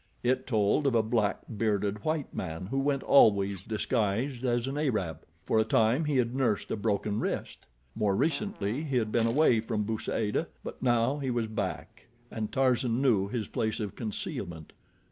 It told of a black bearded white man who went always disguised as an Arab. For a time he had nursed a broken wrist. More recently he had been away from Bou Saada, but now he was back, and Tarzan knew his place of concealment.